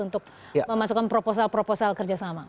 untuk memasukkan proposal proposal kerjasama